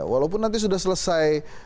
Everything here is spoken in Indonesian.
walaupun nanti sudah selesai